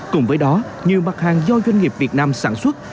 cùng với đó nhiều mặt hàng do doanh nghiệp việt nam sản xuất